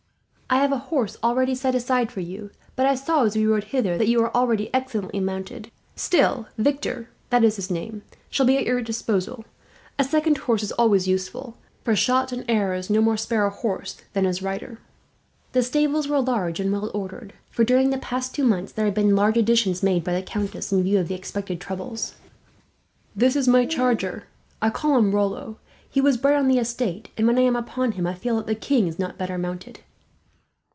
I have a horse already set aside for you; but I saw, as we rode hither, that you are already excellently mounted. Still, Victor, that is his name, shall be at your disposal. A second horse is always useful, for shot and arrows no more spare a horse than his rider." The stables were large and well ordered for, during the past two months, there had been large additions made by the countess, in view of the expected troubles. "This is my charger. I call him Rollo. He was bred on the estate and, when I am upon him, I feel that the king is not better mounted."